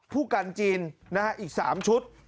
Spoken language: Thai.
ผู้กันจีนนะครับอีก๓ชุด